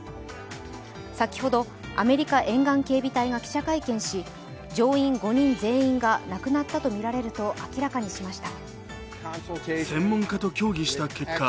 先ほどアメリカ沿岸警備隊が記者会見し乗員５人全員が亡くなったとみられると明らかにしました。